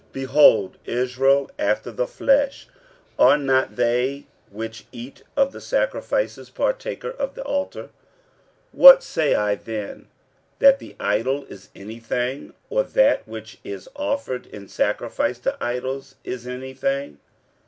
46:010:018 Behold Israel after the flesh: are not they which eat of the sacrifices partakers of the altar? 46:010:019 What say I then? that the idol is any thing, or that which is offered in sacrifice to idols is any thing?